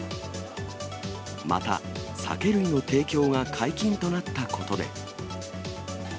また酒類の提供が解禁となったことで。